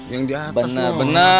yang di atas loh